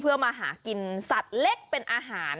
เพื่อมาหากินสัตว์เล็กเป็นอาหาร